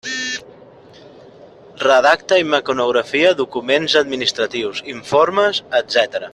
Redacta i mecanografia documents administratius, informes, etcètera.